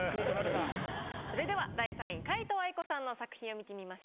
それでは第３位皆藤愛子さんの作品を見てみましょう。